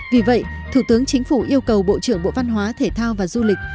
vì vậy thủ tướng chính phủ yêu cầu bộ trưởng bộ văn hóa thể thao và du lịch